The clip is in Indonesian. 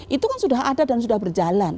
itu kan sudah ada dan sudah berjalan